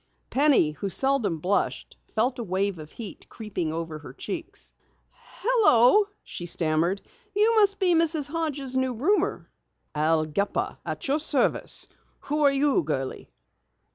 Penny, who seldom blushed, felt a wave of heat creeping over her cheeks. "Hello," she stammered. "You must be Mrs. Hodges' new roomer." "Al Gepper, at your service. Who are you, girlie?"